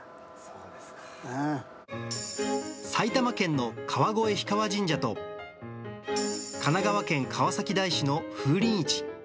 埼玉県の川越氷川神社と、神奈川県川崎大師の風鈴市。